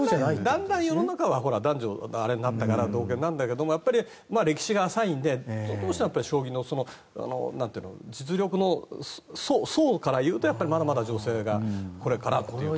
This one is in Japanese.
だんだん世の中が男女同権になってきたから同じなんだけど歴史が浅いのでどうしても将棋の実力の層からいうとまだまだ女性がこれからという。